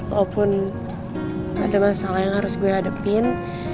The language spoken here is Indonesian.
walaupun ada masalah yang harus gue hadapin